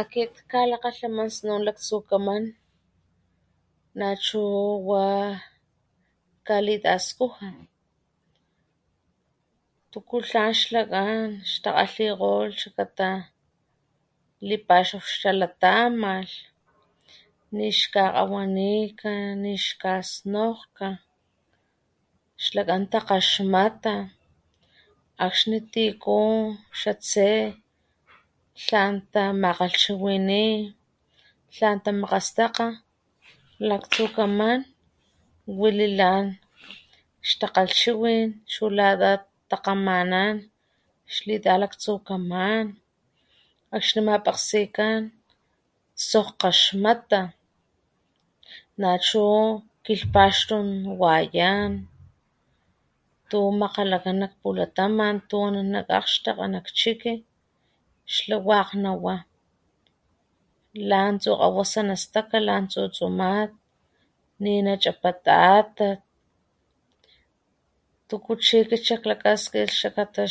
Akit katlakgalhaman snun laktsukaman nachu wa kalitaskuja tuku tlan xlakgan ixtakgalhikgolh xlakata lipaxaw xtalatamalh nix xkakgawanika nix kgasnojka, xlakan takgaxmata , akxni tiku xa tse tlan tamakgalhchiwini tlan tamakgastakga laktsukaman wililan xtakgalhchiwin chu lata takgamanan xlitalaktsukaman , akxi mapakgsikan sokg kgaxmata nachu kilhpaxtun wayan tu makgalakgan nak pulataman tu anan nak akgxtakga nak chiki xla wakg nawa lan tsukgawasa na staka lan tsusumat nina chapa tatat tuku chi akit xak lakaskilh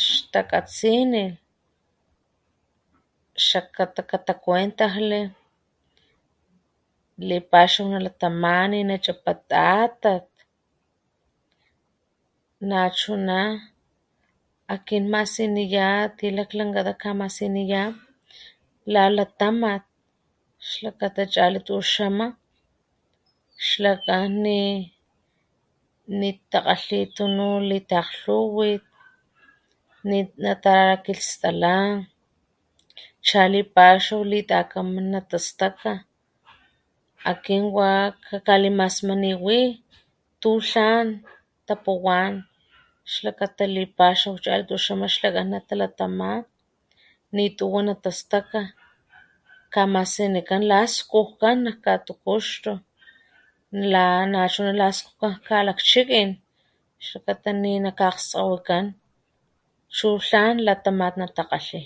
xtakgatsinilh xlakata kata kuentajli lipaxaw nalatama nina chapa tatat nachuna akin masiniya kamasiniya la latamat, xlakata chali tuxama xlakgan nitakgatli tunu litakgtluwit ,ninatarakilhstala cha lipaxaw tlan natastaka akin wa kakalimasmaniwi tutlan tapuwan xlakata lipaxaw chali tuxama xlakgan natalatama , nituwa natastaka , kamasinikan la skujkan nak katukuxtu la nachuna laskujkan chu kalakchikin xlakata ninakakgskgawikan chu tlan latamat natakgatli.